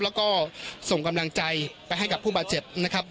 แล้วก็ส่งกำลังใจไปให้กับผู้บาดเจ็บนะครับ